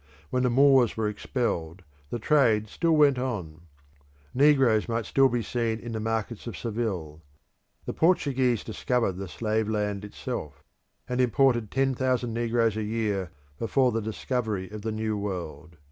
When the Moors were expelled, the trade still went on; negroes might still be seen in the markets of Seville. The Portuguese discovered the slave land itself, and imported ten thousand negroes a year before the discovery of the New World.